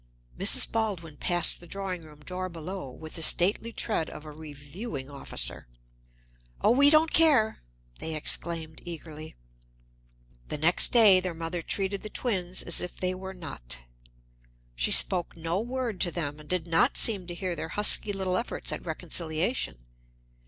Mrs. Baldwin passed the drawing room door below with the stately tread of a reviewing officer. "Oh, we don't care!" they exclaimed eagerly. The next day their mother treated the twins as if they were not. She spoke no word to them and did not seem to hear their husky little efforts at reconciliation.